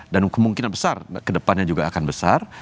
dan kemungkinan besar kedepannya juga akan besar